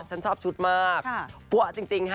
ฉันชอบชุดมากปั๊วจริงค่ะ